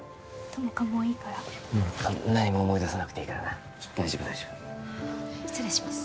友果もういいから何も思い出さなくていいからな大丈夫大丈夫失礼します